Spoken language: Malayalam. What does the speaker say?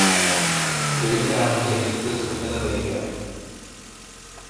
ശരിയാണെങ്കില് എനിക്കൊരു സൂചന തരിക